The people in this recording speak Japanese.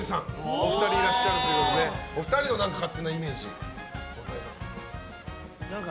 お二人いらっしゃるということでお二人の勝手なイメージございますか。